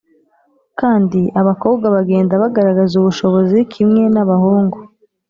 kandi abakobwa bagenda bagaragaza ubushobozi kimwe n’abahungu.